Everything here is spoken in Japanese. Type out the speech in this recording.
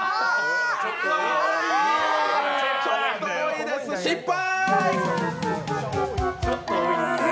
ちょっと多いです失敗！